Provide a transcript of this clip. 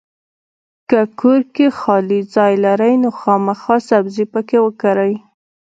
کۀ کور کې خالي ځای لرئ نو خامخا سبزي پکې وکرئ!